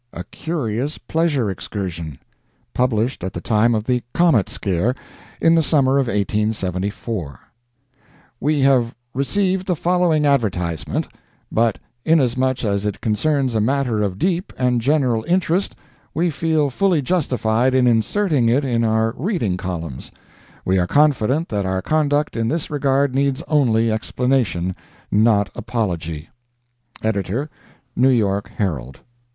A CURIOUS PLEASURE EXCURSION [Published at the time of the "Comet Scare" in the summer of 1874] [We have received the following advertisement, but, inasmuch as it concerns a matter of deep and general interest, we feel fully justified in inserting it in our reading columns. We are confident that our conduct in this regard needs only explanation, not apology. Ed., N. Y. Herald.